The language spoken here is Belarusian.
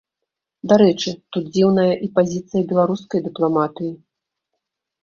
Дарэчы, тут дзіўная і пазіцыя беларускай дыпламатыі.